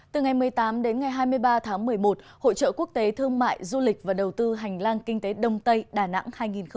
từ ngày một mươi tám đến ngày hai mươi ba tháng một mươi một hội trợ quốc tế thương mại du lịch và đầu tư hành lang kinh tế đông tây đà nẵng hai nghìn hai mươi